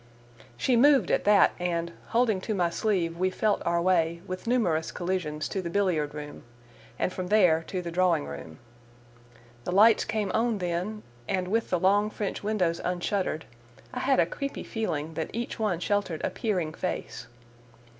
She moved at that, and, holding to my sleeve, we felt our way, with numerous collisions, to the billiard room, and from there to the drawing room. The lights came on then, and, with the long French windows unshuttered, I had a creepy feeling that each one sheltered a peering face.